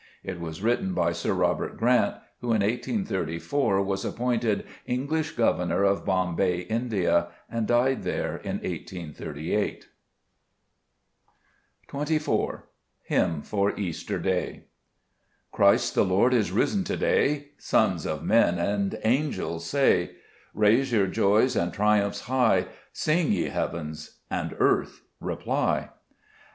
It was written by Sir Robert Grant, who in 1834 was appointed English Governor of Bombay (India), and died there in 1838. 44 Zbc JSest Cburcb Ibsmns. 24 Dgmn fou Easter=S>ap* CHRIST the Lord is risen to day," Sons of men and angels say : Raise your joys and triumphs high ; Sing, ye heavens, and earth, reply.